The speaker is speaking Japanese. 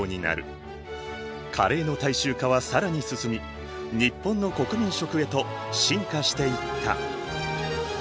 カレーの大衆化は更に進み日本の国民食へと進化していった。